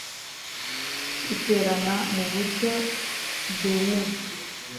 Iterana mu buryo bwemewe